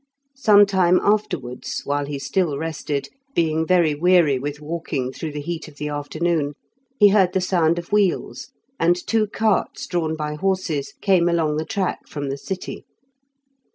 Some time afterwards, while he still rested, being very weary with walking through the heat of the afternoon, he heard the sound of wheels, and two carts drawn by horses came along the track from the city.